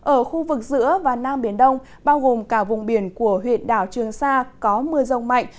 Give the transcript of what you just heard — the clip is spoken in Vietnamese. ở khu vực giữa và nam biển đông bao gồm cả vùng biển của huyện đảo trường sa có mưa rông mạnh